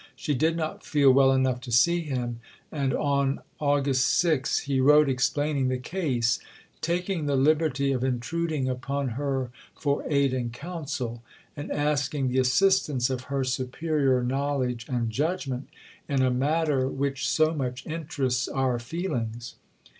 She did not feel well enough to see him, and, on August 6, he wrote explaining the case, "taking the liberty of intruding upon her for aid and counsel," and asking "the assistance of her superior knowledge and judgment in a matter which so much interests our feelings."